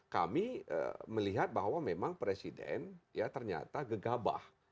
kami melihat bahwa memang presiden ya ternyata gegabah